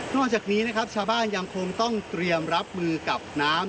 จากนี้นะครับชาวบ้านยังคงต้องเตรียมรับมือกับน้ำ